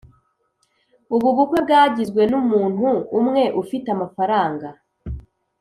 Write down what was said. Ubu bukwe bwagizwe n’umuntu umwe ufite amafaranga